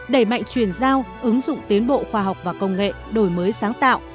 đẩy mạnh truyền giao ứng dụng tiến bộ khoa học và công nghệ đổi mới sáng tạo